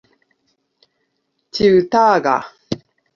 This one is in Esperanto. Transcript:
ĉiutaga